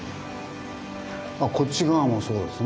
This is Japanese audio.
こっち側もそうですね。